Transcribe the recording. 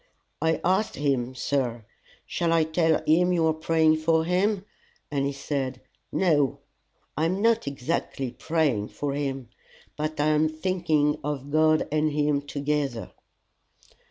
"I asked him, sir 'Shall I tell him you are praying for him?' and he said, 'No. I am not exactly praying for him, but I am thinking of God and him together.